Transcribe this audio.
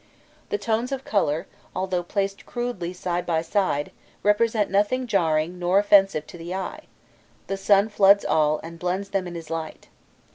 The tones of colour, although placed crudely side by side, present nothing jarring nor offensive to the eye; the sun floods all, and blends them in his light.